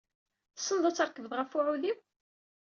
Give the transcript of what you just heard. Tessneḍ ad trekbeḍ ɣef uɛudiw?